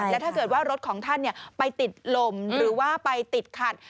แล้วถ้าเกิดว่ารถของท่านไปติดลมหรือว่าไปติดขัด